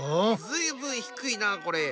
ずいぶん低いなこれ。